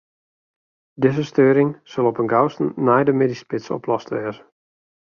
Dizze steuring sil op 'en gausten nei de middeisspits oplost wêze.